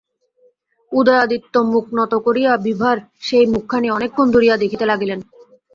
উদয়াদিত্য মুখ নত করিয়া বিভার সেই মুখখানি অনেকক্ষণ ধরিয়া দেখিতে লাগিলেন।